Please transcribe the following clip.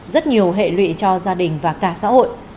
rất nhiều hệ lụy cho gia đình và cả xã hội